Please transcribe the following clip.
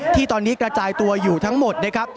ที่ตอนนี้กระจายตัวอยู่ทั้งหมดนะครับ